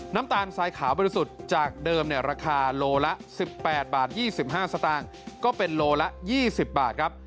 น้ำตาลทรายขาวบริสุทธิ์จากเดิมราคาโลละ๑๘บาท๒๕สตางค์ก็เป็นโลละ๒๐บาทครับ